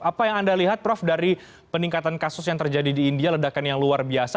apa yang anda lihat prof dari peningkatan kasus yang terjadi di india ledakan yang luar biasa